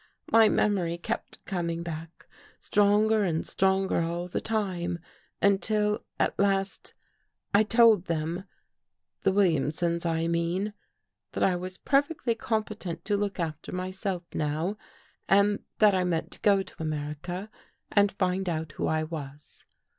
My memory kept com ing back, stronger and stronger all the time, until at last I told them — the Williamsons, I mean — 299 THE GHOST GIRL that I was perfectly competent to look after myself now and that I meant to go to America and find out who I was.